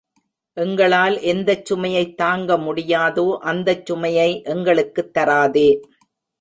எங்களால் எந்தச் சுமையைத் தாங்க முடியாதோ, அந்தச் சுமையை எங்களுக்குத் தராதே!